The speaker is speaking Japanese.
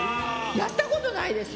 やったことないです。